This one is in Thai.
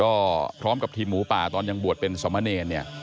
ก็พร้อมกับทีมหนูปลาที่บวชเป็นสามณเนน์เนี่ย